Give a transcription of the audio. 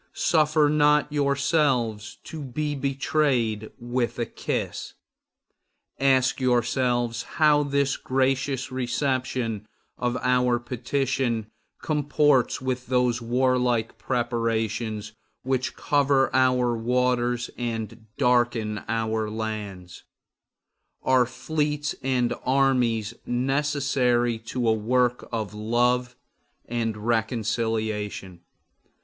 Suffer not yourselves to be betrayed with a kiss. Ask yourselves how this gracious reception of our petition comports with those warlike preparations which cover our waters and darken our land. Are fleets and armies necessary to a work of love and reconciliation?